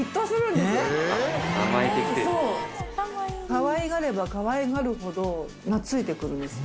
かわいがればかわいがるほど懐いてくるんです。